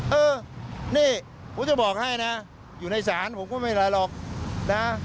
เออนี่ผมจะบอกให้นะอยู่ในศาลผมก็ไม่เป็นไรหรอกนะ